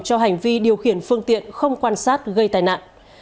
cho hành vi điều khiển phương tiện không quan sát gây tai nạn